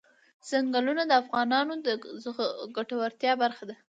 چنګلونه د افغانانو د ګټورتیا برخه ده.